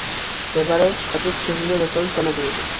მდებარეობს შტატის ჩრდილო-დასავლეთ სანაპიროზე.